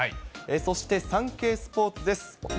そしてサンケイスポーツです。